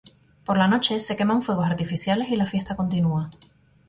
Por la noche, se queman fuegos artificiales y la fiesta continúa.